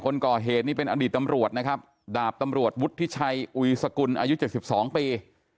คนก่อเหตุนี่เป็นอดีตตำรวจนะครับดาบตำรวจวุฒิชัยอุยสกุลอายุ๗๒ปี